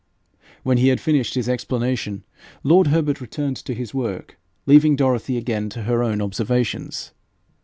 When he had finished his explanation, lord Herbert returned to his work, leaving Dorothy again to her own observations.